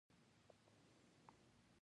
د مدنیت د نویو اساساتو رامنځته کول.